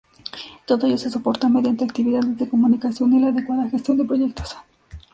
Todo ello se soporta mediante actividades de comunicación y la adecuada gestión de proyectos.